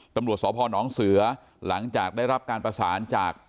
ตำรวจสพนเสือหลังจากได้รับการประสานจาก